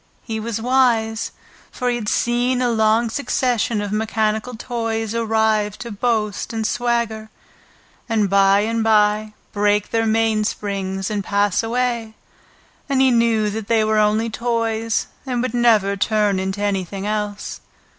He was wise, for he had seen a long succession of mechanical toys arrive to boast and swagger, and by and by break their mainsprings and pass away, and he knew that they were only toys, and would never turn into anything else.